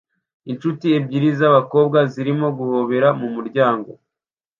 Inshuti ebyiri z'abakobwa zirimo guhobera mu muryango